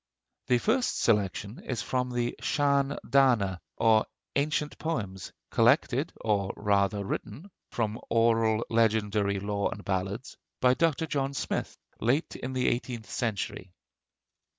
The first selection is from the 'Sean Dana,' or Ancient Poems, collected, or rather written (from oral legendary lore and ballads), by Dr. John Smith, late in the eighteenth century.